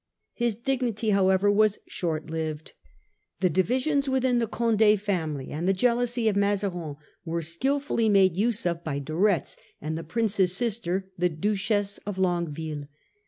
His dignity, how ever, was short lived. The divisions within the Condd family and the jealousy of Mazarin were skilfully made use of by De Retz and the Prince's sister, the LAichess 42 The Parliamentary Fronde . 1649. of Longueville.